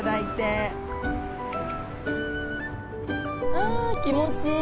わあ気持ちいい！